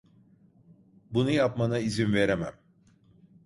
Bunu yapmana izin veremem.